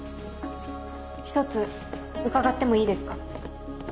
一つ伺ってもいいですか？